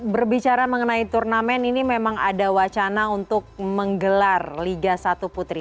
berbicara mengenai turnamen ini memang ada wacana untuk menggelar liga satu putri